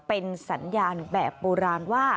เป็นสัญญาณแบบโบราณว่า